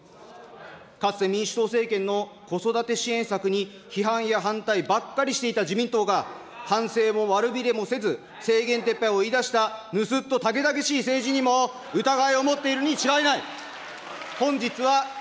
かつて民主党政権の子育て支援策に批判や反対ばっかりしていた自民党が、反省も悪びれもせず、制限撤廃を言い出した盗っ人猛々しい政治にも疑いを持っているに違いない。